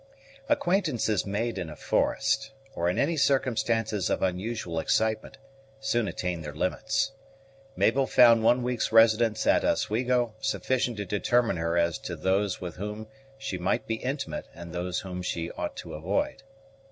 Acquaintances made in a forest, or in any circumstances of unusual excitement, soon attain their limits. Mabel found one week's residence at Oswego sufficient to determine her as to those with whom she might be intimate and those whom she ought to avoid.